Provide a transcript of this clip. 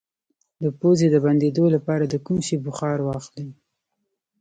د پوزې د بندیدو لپاره د کوم شي بخار واخلئ؟